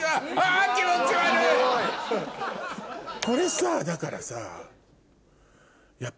これさだからさ。